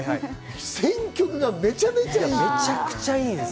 選曲がめちゃくちゃいい。